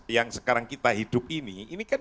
yang sekarang kita hidup ini ini kan